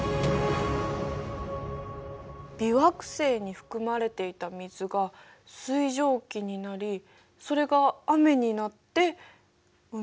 微惑星に含まれていた水が水蒸気になりそれが雨になって海を作った？